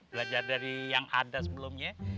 belajar dari yang ada sebelumnya